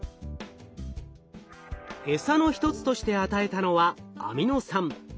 エサの一つとして与えたのはアミノ酸。